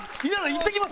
いってきます